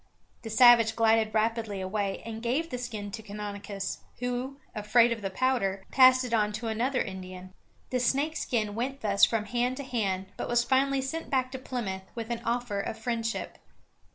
The savage glided rapidly away, and gave the skin to Canonicus, who, afraid of the powder, passed it on to another Indian. The snake skin went thus from hand to hand, but was finally sent back to Plymouth, with an offer of friendship.